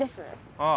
ああ。